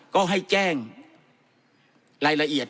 ก็ให้แจ้งรายละเอียด